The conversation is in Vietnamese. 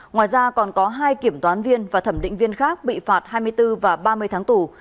ngoài ra còn có hai kiểm toán viên và thẩm định viên khác bị phạt hai mươi bốn và ba mươi tháng tù